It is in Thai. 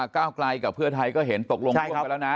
ก้าวไกลกับเพื่อไทยก็เห็นตกลงร่วมกันแล้วนะ